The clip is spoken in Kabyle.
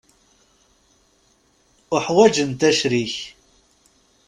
Uḥwaǧent acrik.